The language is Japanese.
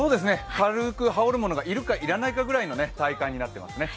軽く羽織るものがいるかいらないかぐらいの体感になってますね。